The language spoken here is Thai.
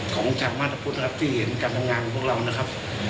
ขอบคุณท่านมาตรพุธนะครับที่เห็นการทำงานของพวกเรานะครับ